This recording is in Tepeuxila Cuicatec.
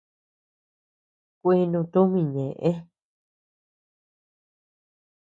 Kuinu tumi ñeʼe.